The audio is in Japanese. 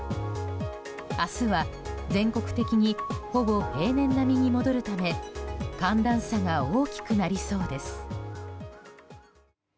明日は全国的にほぼ平年並みに戻るため寒暖差が大きくなりそうです。